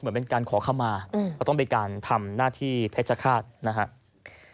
เหมือนเป็นการขอขมาเราต้องเป็นการทำหน้าที่เพชรฆาตนะครับ